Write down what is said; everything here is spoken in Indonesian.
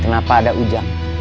kenapa ada ujang